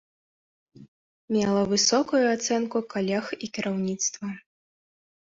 Мела высокую ацэнку калег і кіраўніцтва.